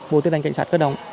bộ tư lệnh cảnh sát cơ động